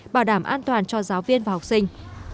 bảo đảm an toàn cho giáo viên và học sinh